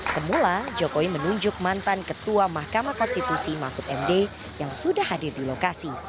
semula jokowi menunjuk mantan ketua mahkamah konstitusi mahfud md yang sudah hadir di lokasi